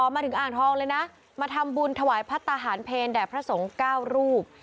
มาทำบุญถวายพระตาหารเพลแดดพระสงค์๙รูป